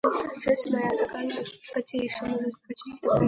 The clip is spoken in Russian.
Жёнушка моя, погоди ещё немного, мы почти добрались.